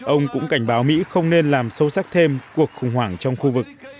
ông cũng cảnh báo mỹ không nên làm sâu sắc thêm cuộc khủng hoảng trong khu vực